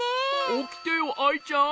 おきてよアイちゃん。